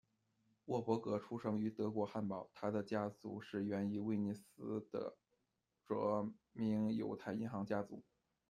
沃伯格出生于德国汉堡，他的家族是源于威尼斯的着名犹太银行家族。